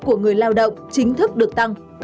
của người lao động chính thức được tăng